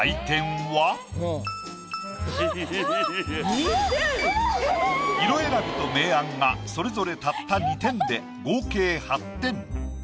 ２点⁉色選びと明暗がそれぞれたった２点で合計８点。